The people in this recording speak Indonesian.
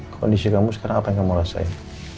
kondisi kamu sekarang apa yang kamu rasain